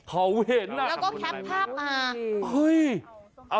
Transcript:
เอ้าก็แคปภาพมา